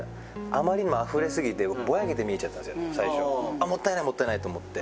あっもったいないもったいないと思って。